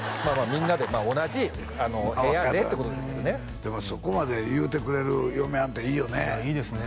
みんなで同じ部屋でってことですけどねでもそこまで言うてくれる嫁はんっていいよねいいですね